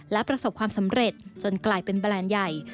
และประสบความสำเร็จจนกลายเป็นแบรนด์ใหญ่